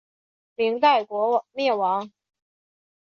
明代国灭亡。